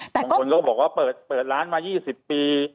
แต่คนโลเบิร์ดบอกว่าเปิดร้านมา๒๐ปี๓๐ปี